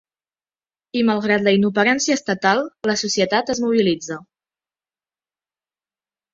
I malgrat la inoperància estatal, la societat es mobilitza.